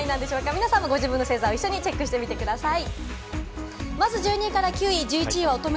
皆さんもご自分の星座をチェックしてみてください。